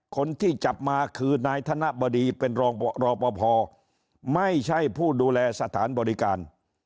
คนที่จับมาคือนายธนบดีเป็นรองรอปภไม่ใช่ผู้ดูแลสถานบริการ